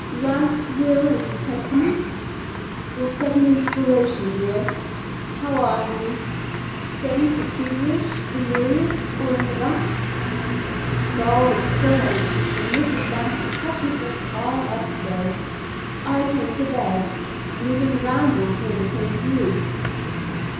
"Last will and testament, or sudden inspiration, dear? How are you? faint or feverish, delirious or in the dumps! Saul looks so anxious, and Mrs. Basset hushes us all up so, I came to bed, leaving Randal to entertain Ruth."